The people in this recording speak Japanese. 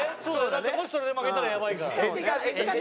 だってもしそれで負けたらやばいから。